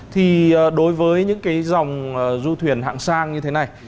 thì đối với những cái dòng du thuyền hạng sang như thế này